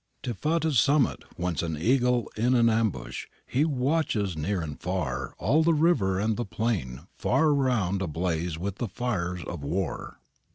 Tifata's summit, whence, an eagle in ambush, he watches near and far all the river and the plain far around ablaze with the fires of war.'